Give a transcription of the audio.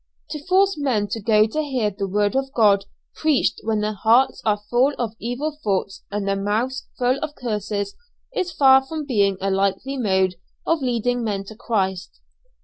To force men to go to hear the Word of God preached when their hearts are full of evil thoughts and their mouths full of curses is far from being a likely mode of leading men to Christ.